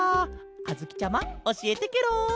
あづきちゃまおしえてケロ！